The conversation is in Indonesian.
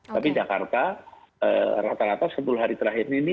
tapi jakarta rata rata sepuluh hari terakhir ini